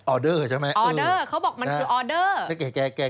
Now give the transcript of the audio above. ออเดอร์เขาบอกมันคือออเดอร์